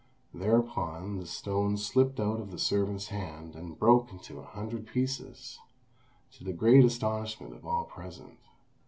Thereupon the stone slipped out of the servant's hand and broke into a hundred pieces, to the great astonishment of all present.